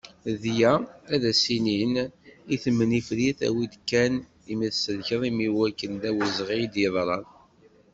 Dγa, ad as-inin i temnifrit awi-d kan imi tselkeḍ am wakken d awezγi i d-yeḍran.